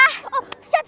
oh siap siap